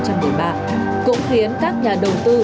cũng khiến các nhà đầu tư